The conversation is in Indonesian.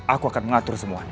aku akan mengatur semuanya